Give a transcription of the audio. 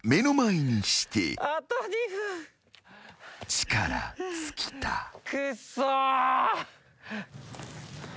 ［力尽きた］くそ！